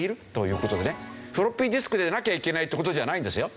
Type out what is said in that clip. フロッピーディスクでなきゃいけないって事じゃないんですよ。